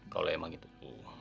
kalau emang gitu bu